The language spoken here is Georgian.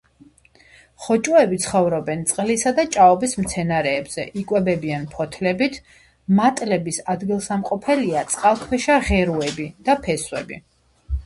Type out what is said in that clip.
ხოჭოები ცხოვრობენ წყლისა და ჭაობის მცენარეებზე, იკვებებიან ფოთლებით, მატლების ადგილსამყოფელია წყალქვეშა ღეროები და ფესვები.